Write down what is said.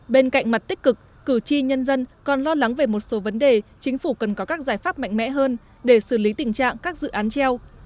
bên cạnh mặt tích cực cử tri nhân dân còn lo lắng về một số vấn đề chính phủ cần có các giải pháp mạnh mẽ hơn để xử lý tình trạng các dự án treo